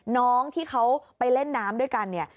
น้องที่เขาไปเล่นน้ำด้วยกันเนี่ย